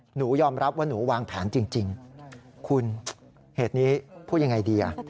หนูยอมรับว่าหนูวางแผนจริงคุณเหตุนี้พูดยังไงดี